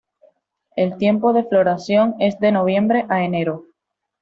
El tiempo de floración es de noviembre a enero.